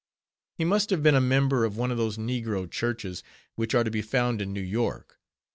He must have been a member of one of those negro churches, which are to be found in New York.